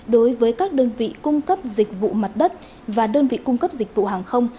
đối với các đơn vị cung cấp dịch vụ mặt đất và đơn vị cung cấp dịch vụ hàng không